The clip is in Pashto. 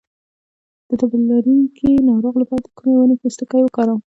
د تبه لرونکي ناروغ لپاره د کومې ونې پوستکی وکاروم؟